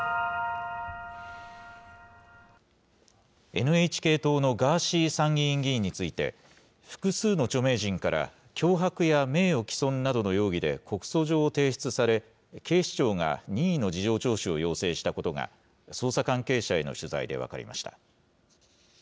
ＮＨＫ党のガーシー参議院議員について、複数の著名人から脅迫や名誉棄損などの容疑で告訴状を提出され、警視庁が任意の事情聴取を要請したことが、捜査関係者への取材で分かりました。